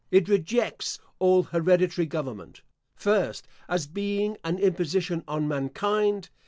It rejects all hereditary government: First, As being an imposition on mankind.